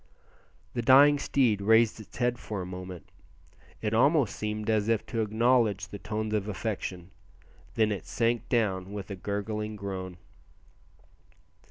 The dying steed raised its head for a moment, it almost seemed as if to acknowledge the tones of affection, then it sank down with a gurgling groan.